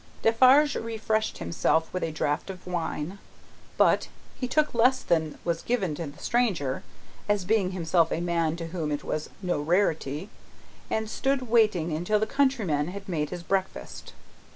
Defarge refreshed himself with a draught of wine but, he took less than was given to the stranger, as being himself a man to whom it was no rarity and stood waiting until the countryman had made his breakfast.